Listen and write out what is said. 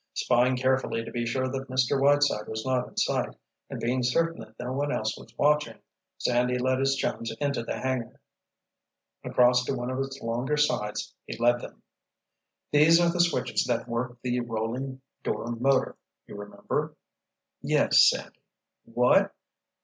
Spying carefully to be sure that Mr. Whiteside was not in sight, and being certain that no one else was watching, Sandy led his chums into the hangar. Across to one of its longer sides he led them. "These are the switches that work the rolling door motor, you remember?" "Yes, Sandy. What?